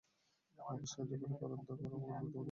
আমাকে সাহায্য কর, কারণ তারা আমাকে মিথ্যাবাদী প্রতিপন্ন করছে।